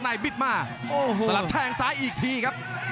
ล่องในบิดมาโอ้โหไมซัลล์ทนทางซ้ายอีกทีครับ